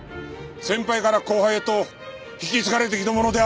先輩から後輩へと引き継がれてきたものである。